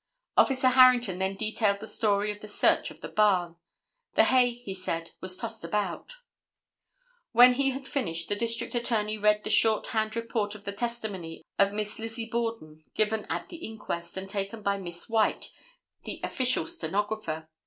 Officer Harrington then detailed the story of the search of the barn. The hay, he said, was tossed about. [Illustration: REV. E. A. BUCK.] When he had finished, the District Attorney read the short hand report of the testimony of Miss Lizzie Borden given at the inquest, and taken by Miss White, the official stenographer.